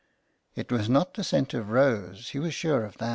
It was not the scent of rose, he was sure of that.